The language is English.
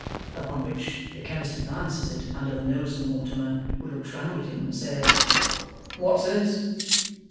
Upon which, the chemist advances it under the nose of Mortimer, who looks round at him, and says: 'What's this?